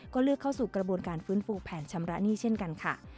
ก็เลือกเข้าสู่กระบวนการฟื้นฟูแผนชำระหนี้เช่นกันค่ะ